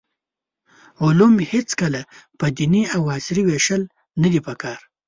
علوم هېڅکله په دیني او عصري ویشل ندي پکار.